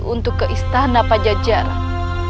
untuk ke istana pajajaran